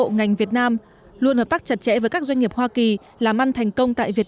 bộ ngành việt nam luôn hợp tác chặt chẽ với các doanh nghiệp hoa kỳ làm ăn thành công tại việt